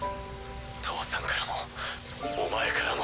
父さんからもお前からも。